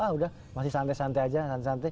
ah udah masih santai santai aja santai